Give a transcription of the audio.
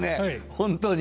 本当に。